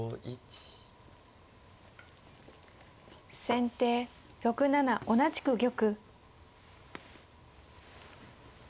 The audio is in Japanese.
先手６七同じく玉。